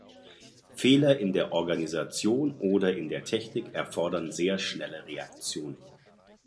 Fehler in der Organisation oder in der Technik erfordern sehr schnelle Reaktion.